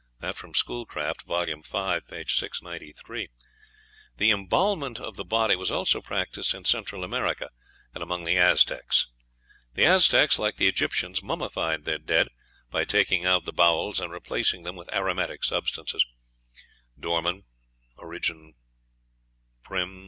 (Schoolcraft, vol. v., p. 693.) The embalmment of the body was also practised in Central America and among the Aztecs. The Aztecs, like the Egyptians, mummified their dead by taking out the bowels and replacing them with aromatic substances. (Dorman, "Origin Prim.